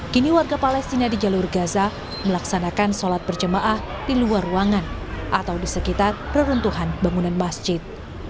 kini warga palestina di jalur gaza melaksanakan sholat berjemaah di luar ruangan atau di sekitar reruntuhan bangunan masjid